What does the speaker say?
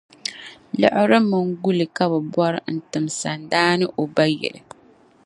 Liɣiri mini guli ka bɛ bɔra n-tim sandaani o ba yili.